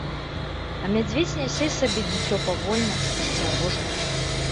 А мядзведзь нясе сабе дзіцё павольна, асцярожна.